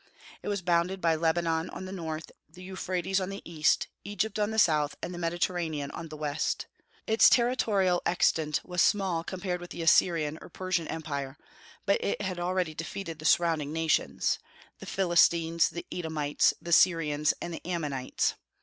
It was bounded by Lebanon on the north, the Euphrates on the east, Egypt on the south, and the Mediterranean on the west. Its territorial extent was small compared with the Assyrian or Persian empire; but it had already defeated the surrounding nations, the Philistines, the Edomites, the Syrians, and the Ammonites.